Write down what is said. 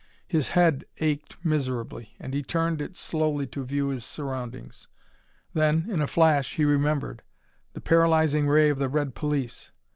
His head ached miserably and he turned it slowly to view his surroundings. Then, in a flash, he remembered. The paralyzing ray of the red police!